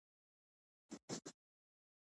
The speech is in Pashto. د افغانستان اقتصاد په کرنه ولاړ دی.